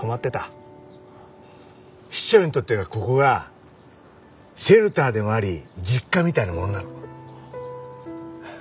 師長にとってはここがシェルターでもあり実家みたいなものなの。